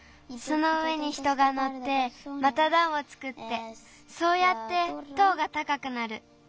その上に人がのってまただんをつくってそうやって塔がたかくなる。